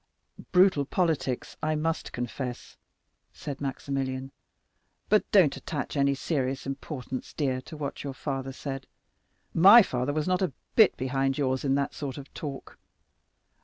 '" "Brutal politics, I must confess." said Maximilian; "but don't attach any serious importance, dear, to what your father said. My father was not a bit behind yours in that sort of talk.